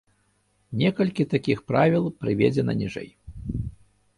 Некалькі такіх правіл прыведзена ніжэй.